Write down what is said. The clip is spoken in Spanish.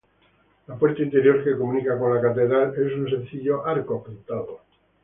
La puerta interior que comunica con la Catedral es un sencillo arco apuntado.